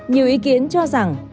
nhiều ý kiến cho rằng